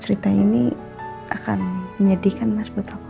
cerita ini akan menyedihkan mas betoko